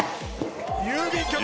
郵便局！